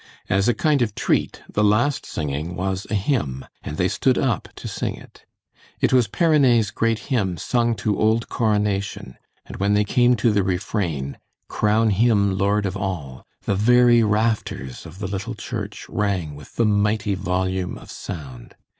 As a kind of treat, the last singing was a hymn and they stood up to sing it. It was Perronet's great hymn sung to old Coronation, and when they came to the refrain, "Crown him Lord of all," the very rafters of the little church rang with the mighty volume of sound.